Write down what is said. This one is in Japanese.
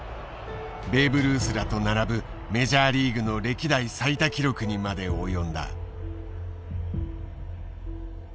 ベーブ・ルースらと並ぶメジャーリーグの歴代最多記録にまで及んだ。